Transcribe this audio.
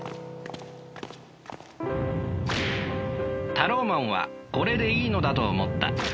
タローマンはこれでいいのだと思った。